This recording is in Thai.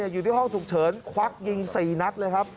อยู่ที่ห้องฉุกเฉินควักยิง๔นัดเลยครับ